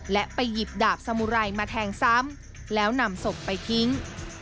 และไปหยิบดาบสมุไรมาแทงซ้ำแล้วนำศพไปทิ้ง